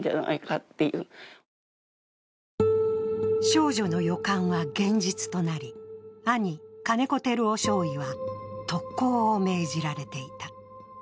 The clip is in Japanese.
少女の予感は現実となり、兄・金子照男少尉は特攻を命じられていた。